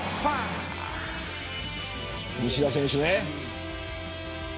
西田選手ね。